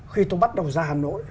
khi tôi bắt đầu ra hà nội